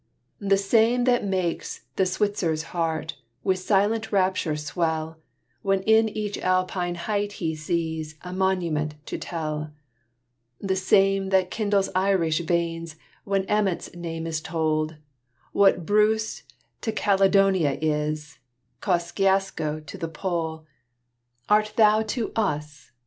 The same that makes the Switzer's heart With silent rapture swell, When in each Alpine height he sees A monument to Tell: The same that kindles Irish veins When Emmet's name is told; What Bruce to Caledonia is, Kosciusko to the Pole Art thou to us!